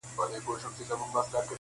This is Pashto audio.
په محراب او منبر ښکلی بیرغ غواړم -